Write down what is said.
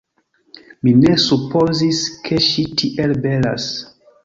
Mi ne supozis, ke ŝi tiel belas.